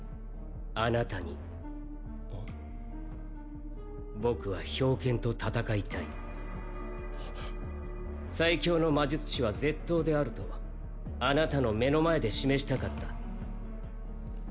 あなたに僕は冰剣と戦いたい最強の魔術師は絶刀であるとあなたの目の前で示したかった